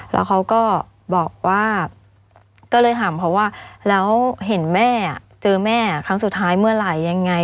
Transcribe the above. แล้วเขาก็บอกว่าก็เลยถามเขาว่าแล้วเห็นแม่เจอแม่ครั้งสุดท้ายเมื่อไหร่ยังไง